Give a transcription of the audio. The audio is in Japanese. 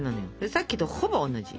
さっきとほぼ同じ。